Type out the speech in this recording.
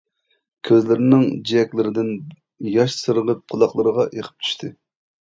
كۆزلىرىنىڭ جىيەكلىرىدىن ياش سىرغىپ قۇلاقلىرىغا ئېقىپ چۈشتى.